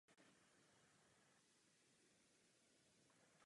Nakonec se Cindy a George vezmou.